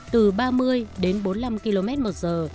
từ ba mươi đến bốn mươi năm km một giờ